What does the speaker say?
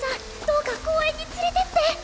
どうか公園に連れてって！